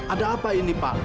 ada apa ini pak